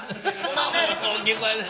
大きい声で。